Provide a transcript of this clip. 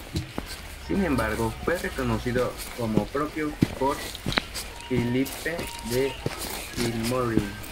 Sin embargo, fue reconocido como propio por Philippe de Vilmorin.